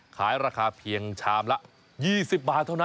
ขายราคาเพียงชามละ๒๐บาทเท่านั้น